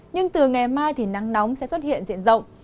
nhưng từ ngày mai thì nắng nóng sẽ xuất hiện diện rộng